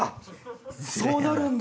そうなるんだ。